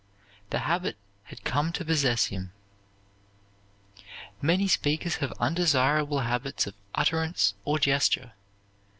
'" The habit had come to possess him. Many speakers have undesirable habits of utterance or gesture.